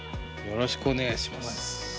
よろしくお願いします。